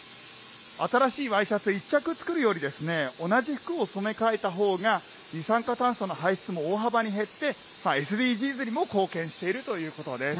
新しいワイシャツを１着作るより、同じ服を染めかえたほうが、二酸化炭素の排出も大幅に減って、ＳＤＧｓにも貢献しているということです。